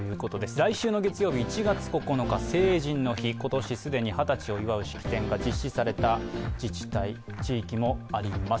来週の月曜日、１月９日成人の日、今年既に二十歳を祝う式典が実施された自治体、地域もあります。